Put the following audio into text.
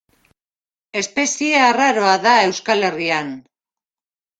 Espezie arraroa da Euskal Herrian.